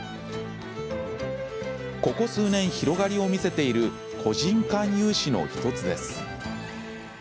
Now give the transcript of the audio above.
ここ数年、広がりを見せている個人間融資の１つです。